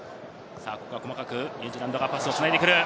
細かくニュージーランドがパスを繋いでくる。